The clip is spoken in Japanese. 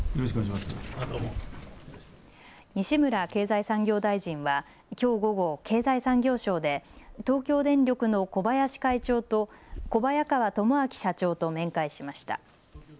西村経済産業大臣はきょう午後、経済産業省で東京電力の小林会長と小早川智明社長と面会しました。